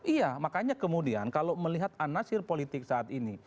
iya makanya kemudian kalau melihat anasir politik saat ini